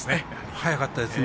速かったですね。